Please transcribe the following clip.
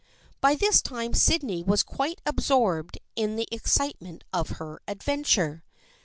By this time Sydney was quite absorbed in the excitement of her adventure.